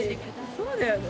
そうだよね。